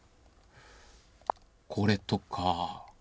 これとか。